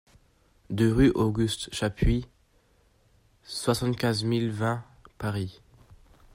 deux rue Auguste Chapuis, soixante-quinze mille vingt Paris